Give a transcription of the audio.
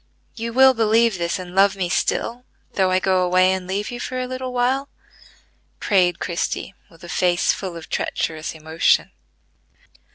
You will believe this and love me still, though I go away and leave you for a little while?" prayed Christie, with a face full of treacherous emotion.